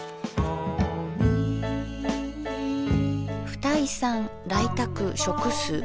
「二井さん来宅食す」。